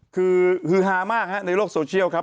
คือฮือฮามากฮะในโลกโซเชียลครับ